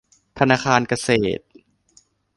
ธนาคารเกษตร